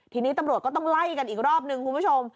ทีนี้ตำรวจก็ต้องไล่กันอีกรอบนึงคุณผู้ชม